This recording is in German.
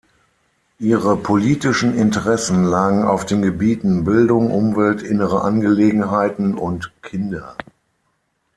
Ihre politischen Interessen lagen auf den Gebieten Bildung, Umwelt, Innere Angelegenheiten und Kinder.